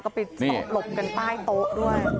ก็ไปหลบกันใต้โต๊ะด้วย